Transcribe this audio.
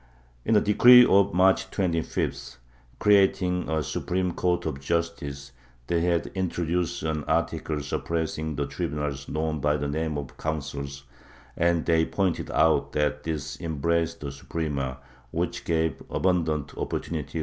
In a decree of March 25th, creating a supreme court of justice, they had introduced an article suppressing the tribunals known by the name of councils, and they pointed out that this embraced the Suprema, which gave abundant opportunity 1 V^lez, Apologia, I, 214, 384 5, 399 418.